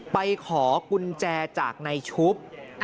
ไปขอกุญแจจากในชุบ